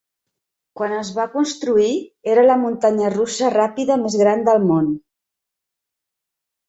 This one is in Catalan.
Quan es va construir, era la muntanya russa ràpida més gran del món.